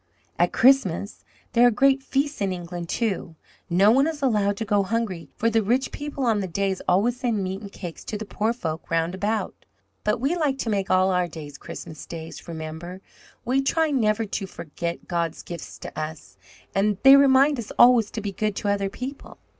"At Christmas there are great feasts in England, too. No one is allowed to go hungry, for the rich people on the day always send meat and cakes to the poor folk round about. "But we like to make all our days Christmas days, Remember. We try never to forget God's gifts to us, and they remind us always to be good to other people."